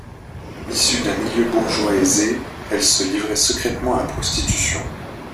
Issue d'un milieu bourgeois aisée, elle se livrait secrètement à la prostitution.